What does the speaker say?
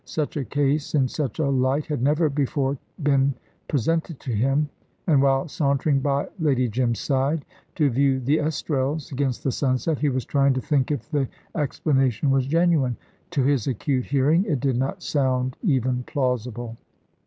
Such a case, in such a light, had never before been presented to him, and while sauntering by Lady Jim's side to view the Estrelles against the sunset, he was trying to think if the explanation was genuine. To his acute hearing, it did not sound even plausible.